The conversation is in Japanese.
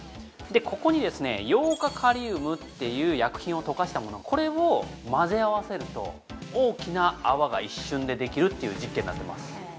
ここに、ヨウ化カリウムっていう薬品を溶かしたものこれを混ぜ合わせると大きな泡が一瞬でできるという実験になってます。